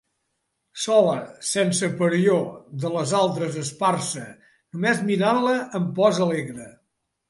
Sola, sense parió, de les altres esparsa, només mirar-la em pose alegre.